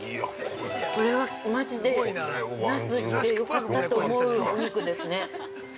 これはマジで、那須来てよかったと思うお肉ですね。